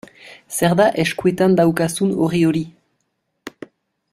Zer da eskuetan daukazun orri hori?